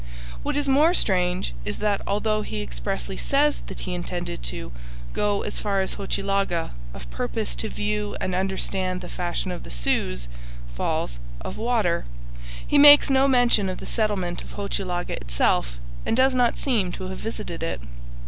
What is most strange is that, although he expressly says that he intended to 'go as far as Hochelaga, of purpose to view and understand the fashion of the saults [falls] of water,' he makes no mention of the settlement of Hochelaga itself, and does not seem to have visited it.